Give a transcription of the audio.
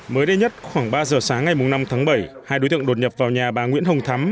mới đây nhất khoảng ba giờ sáng ngày năm tháng bảy hai đối tượng đột nhập vào nhà bà nguyễn hồng thắm